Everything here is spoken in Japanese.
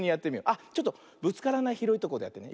あっちょっとぶつからないひろいとこでやってね。